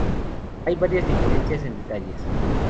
Hay varias diferencias en detalles.